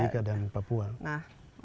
nah yang paling penting itu tadi ya